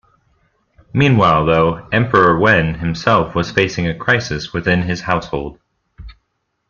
Meanwhile, though, Emperor Wen himself was facing a crisis within his household.